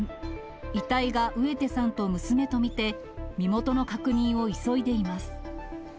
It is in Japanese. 遺体が植手さんと娘と見て、身元の確認を急いでいます。